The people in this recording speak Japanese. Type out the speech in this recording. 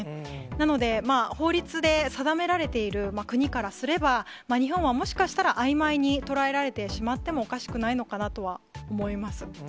なので、法律で定められている国からすれば、日本はもしかしたらあいまいに捉えられてしまっても、おかしくないのかなとは思います。